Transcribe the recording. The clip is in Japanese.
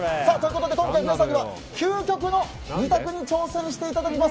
今回、皆さんには究極の２択に挑戦していただきます。